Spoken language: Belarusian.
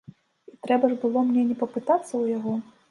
І трэба ж было мне не папытацца ў яго?